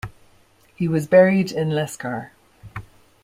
He was buried in Lescar.